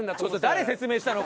誰説明したの？